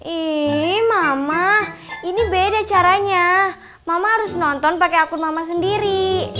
ini mama ini beda caranya mama harus nonton pakai akun mama sendiri